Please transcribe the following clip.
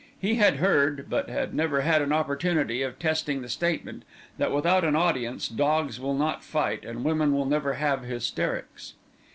He had heard, but had never had an opportunity of testing the statement, that without an audience dogs will not fight and women will never have hysterics.